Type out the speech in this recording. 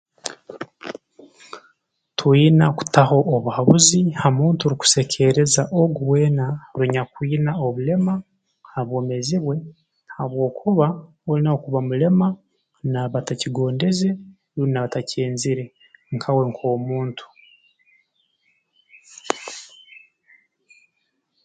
Twine kutaho obuhabuzi ha muntu rukusekeereza ogu weena runyakwina obulema ha bwomeezi bwe habwokuba oli nawe kuba mulema naaba atakigondeze rundi naaba atakyenzere nkawe nk'omuntu